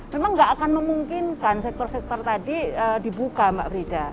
memang nggak akan memungkinkan sektor sektor tadi dibuka mbak frida